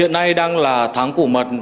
hiện nay đang là tháng củ mật